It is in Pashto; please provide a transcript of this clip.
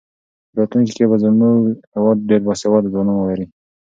په راتلونکي کې به زموږ هېواد ډېر باسواده ځوانان ولري.